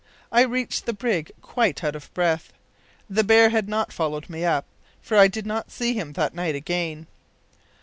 I reached the brig quite out of breath. The bear had not followed me up, for I did not see him that night again.